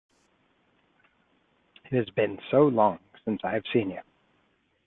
It has been so long since I have seen you!